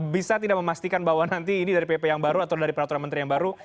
bisa tidak memastikan bahwa nanti ini dari pp yang baru atau dari peraturan menteri yang baru